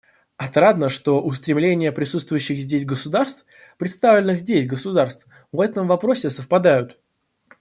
Отрадно, что устремления присутствующих здесь государств — представленных здесь государств — в этом вопросе совпадают.